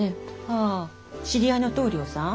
ああ知り合いの棟梁さん。